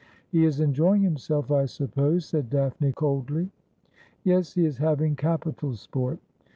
' He is enjoying himself, I suppose,' said Daphne coldly. ' Yes ; he is having capital sport.'